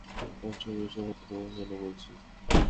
ভাবছো, আমি এসব তোমাকে কেন বলছি।